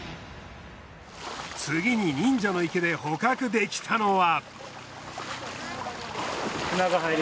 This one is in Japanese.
次に忍者の池で捕獲できたのは。